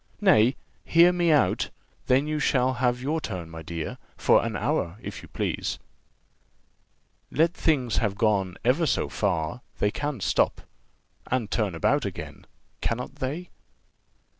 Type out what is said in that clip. Nay, hear me out, then you shall have your turn, my dear, for an hour, if you please. Let things have gone ever so far, they can stop, and turn about again, cannot they?